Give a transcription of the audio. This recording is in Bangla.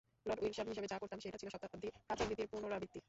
লর্ড উইন্ডলশ্যাম হিসেবে যা করতাম সেটা ছিল শতাব্দী প্রাচীন রীতির পুনরাবৃত্তি।